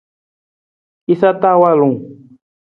Jasa ta walung.